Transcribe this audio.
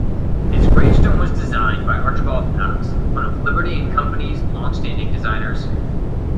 His gravestone was designed by Archibald Knox, one of Liberty and Co.'s long-standing designers.